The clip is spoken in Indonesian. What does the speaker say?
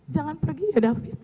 jangan pergi ya david